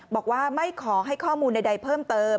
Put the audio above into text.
บอกว่าไม่ขอให้ข้อมูลใดเพิ่มเติม